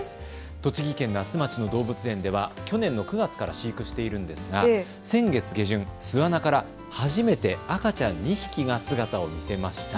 栃木県那須町の動物園では去年の９月から飼育しているんですが先月下旬、巣穴から初めて赤ちゃん２匹が姿を見せました。